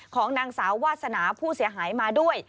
ของนางสาววาสนาผู้เสียหายมาด้วย